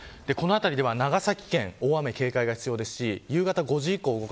この辺りでは、長崎県大雨に警戒が必要です。